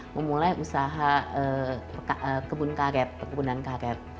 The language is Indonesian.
memulai usaha kebun karet perkebunan karet